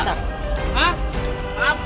kepas olarnya mati